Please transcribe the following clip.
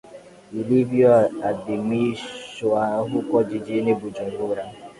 ilivyo adhimishwa huko jijini bujumbura